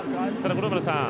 五郎丸さん